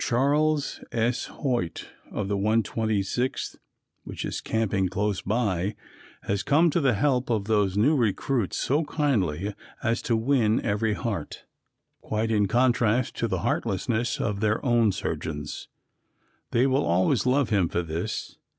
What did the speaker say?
Charles S. Hoyt of the 126th, which is camping close by, has come to the help of these new recruits so kindly as to win every heart, quite in contrast to the heartlessness of their own surgeons. They will always love him for this.